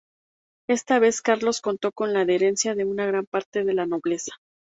Esta vez Carlos contó con la adherencia de una gran parte de la nobleza.